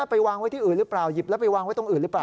ไปวางไว้ที่อื่นหรือเปล่าหยิบแล้วไปวางไว้ตรงอื่นหรือเปล่า